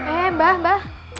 eh mbah mbah